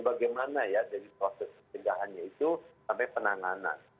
bagaimana ya dari proses pencegahannya itu sampai penanganan